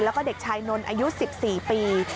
แล้วก็เด็กชายนนท์อายุ๑๔ปี